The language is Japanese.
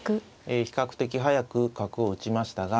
え比較的速く角を打ちましたが